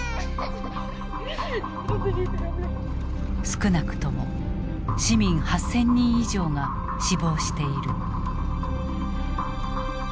少なくとも市民８，０００人以上が死亡している。